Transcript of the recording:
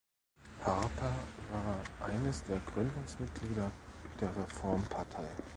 Harper war eines der Gründungsmitglieder der Reformpartei.